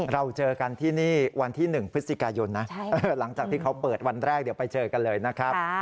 เราเจอกันที่นี่วันที่๑พฤศจิกายนนะหลังจากที่เขาเปิดวันแรกเดี๋ยวไปเจอกันเลยนะครับ